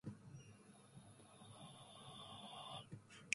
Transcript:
It is empowered by tax inspector, Collector magistrate.